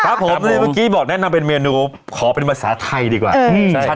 ครับผมเลยเมื่อกี้บอกแนะนำเป็นเมนูขอเป็นภาษาไทยดีกว่าใช่ครับ